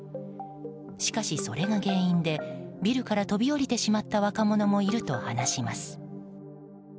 しかしそれが原因で、ビルから飛び降りてしまった若者もいると話します。